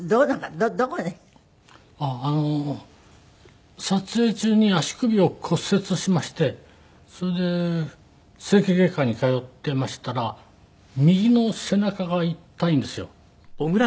あの撮影中に足首を骨折しましてそれで整形外科に通っていましたら右の背中が痛いんですよ。